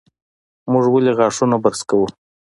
موږ ولې غاښونه برس کوو؟